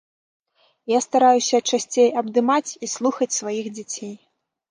Я стараюся часцей абдымаць і слухаць сваіх дзяцей.